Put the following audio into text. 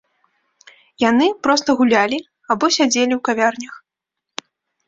Яны проста гулялі або сядзелі ў кавярнях.